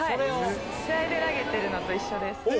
試合で投げてるのと一緒です。